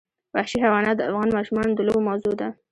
وحشي حیوانات د افغان ماشومانو د لوبو موضوع ده.